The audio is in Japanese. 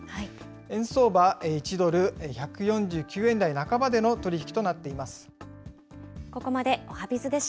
円相場１ドル１４９円台半ばでの取り引きとなっています。